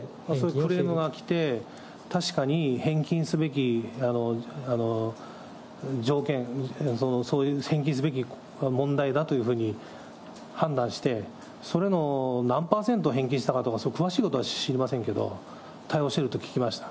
クレームが来て、確かに返金すべき条件、そういう返金すべき問題だというふうに判断して、それの何％返金したかとか、そういう詳しいことは知りませんけれども、対応していると聞きま